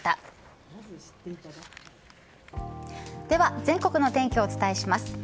では全国の天気をお伝えします。